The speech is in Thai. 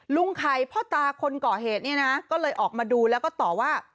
ลุงไข่พ่อตาคนก่อเหตุเนี่ยนะก็เลยออกมาดูแล้วก็ต่อว่า